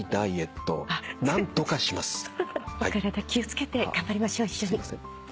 体気を付けて頑張りましょう一緒に。